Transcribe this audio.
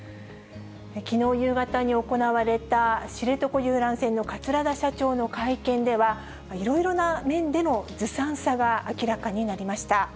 きのう夕方に行われた、知床遊覧船の桂田社長の会見では、いろいろな面でのずさんさが明らかになりました。